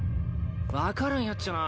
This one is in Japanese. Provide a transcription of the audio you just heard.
分からんやっちゃな。